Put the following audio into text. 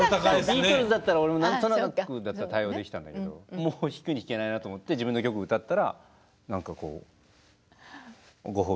ビートルズだったら俺も何となくだったら対応できたんだけどもう引くに引けないなと思って自分の曲歌ったら何かこうご褒美頂いて。